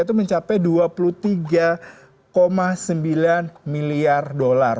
itu mencapai dua puluh tiga sembilan miliar dolar